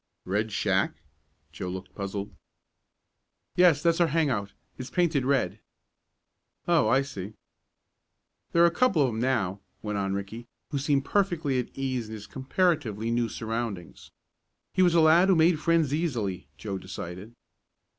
"Red Shack?" Joe looked puzzled. "Yes, that's our hang out. It's painted red." "Oh, I see." "There are a couple of 'em now," went on Ricky, who seemed perfectly at ease in his comparatively new surroundings. He was a lad who made friends easily, Joe decided.